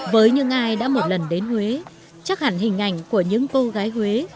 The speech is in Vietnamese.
với những ai đã một lần đến huế chắc hẳn hình ảnh của những cô gái huế